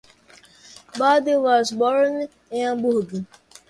Bode was born in Hamburg.